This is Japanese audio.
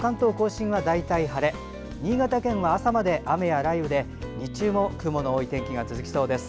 新潟県は朝まで雨や雷雨で日中も雲の多い天気が続きそうです。